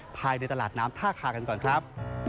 ภายในตลาดน้ำท่าคากันก่อนครับ